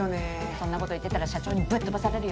そんなこと言ってたら社長にぶっ飛ばされるよ。